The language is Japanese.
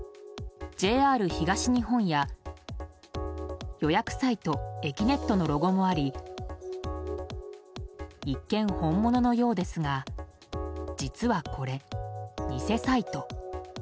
ＪＲ東日本や予約サイトえきねっとのロゴもあり一見本物のようですが実はこれ、偽サイト。